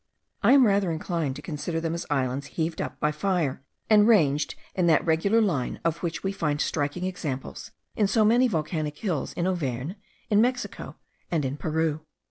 I am rather inclined to consider them as islands heaved up by fire, and ranged in that regular line, of which we find striking examples in so many volcanic hills in Auvergne, in Mexico, and in Peru.